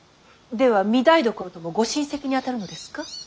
では御台所ともご親戚にあたるのですか。